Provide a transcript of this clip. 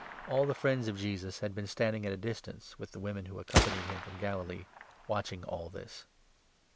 All 49 the friends of Jesus had been standing at a distance, with the women who accompanied him from Galilee, watching all this.